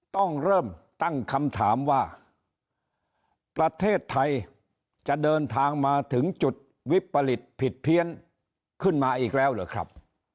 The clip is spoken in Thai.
ต้องเริ่มตั้งคำถามว่าประเทศไทยจะเดินทางมาถึงจุดวิปริตผิดเพี้ยนขึ้นมาอีกแล้วเหรอครับ